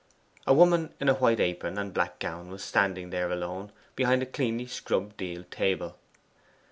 A woman in a white apron and black gown was standing there alone behind a cleanly scrubbed deal table.